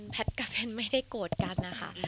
แพทย์กับเพ้นไม่ได้โกรธกันนะคะ